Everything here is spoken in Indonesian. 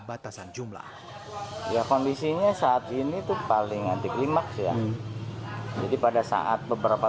batasan jumlah ya kondisinya saat ini tuh paling anti klimaks ya jadi pada saat beberapa